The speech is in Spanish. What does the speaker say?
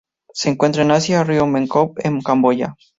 Se encuentran en Asia: río Mekong en Camboya.